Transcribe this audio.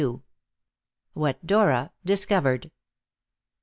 WHAT DORA DISCOVERED.